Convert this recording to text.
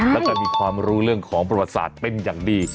แล้วก็มีความรู้เรื่องของประวัติศาสตร์เป็นอย่างดี